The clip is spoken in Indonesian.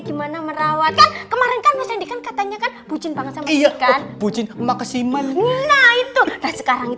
gimana merawatkan kemarin kan bisa dikatakan bucin banget iya bucin maksimal itu sekarang